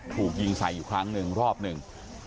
ถูกยิงใส่อยู่ครั้งหนึ่งรอบหนึ่ง